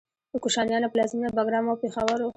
د کوشانیانو پلازمینه بګرام او پیښور و